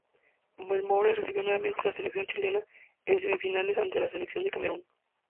Melbourne recibió nuevamente a la selección chilena en semifinales ante la selección de Camerún.